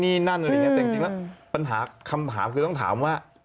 แต่จริงปัญหาคำถามคือต้องถามว่า